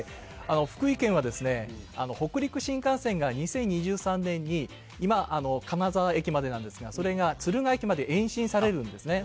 福井県は、北陸新幹線が２０２３年に今、金沢駅までなんですが、それが敦賀駅まで延伸されるんですね。